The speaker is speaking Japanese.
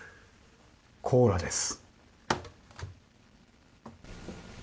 コーラです。